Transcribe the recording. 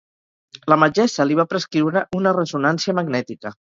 La metgessa li va prescriure una ressonància magnètica.